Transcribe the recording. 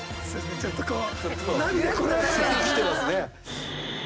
ちょっとこう。